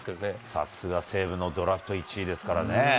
さすが西武のドラフト１位ですからね。